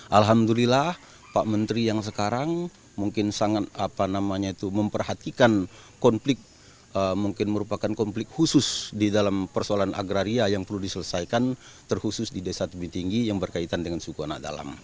alhamdulillah pak menteri yang sekarang mungkin sangat apa namanya itu memperhatikan konflik mungkin merupakan konflik khusus di dalam persoalan agraria yang perlu diselesaikan terhusus di desa tebing tinggi yang berkaitan dengan suku anak dalam